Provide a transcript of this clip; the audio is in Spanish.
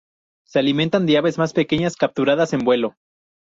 Se alimenta de aves más pequeñas capturadas en vuelo.